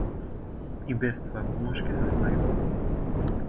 И без твоја помош ќе се снајдам.